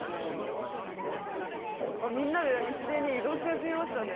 ◆みんなで一斉に移動し始めましたね。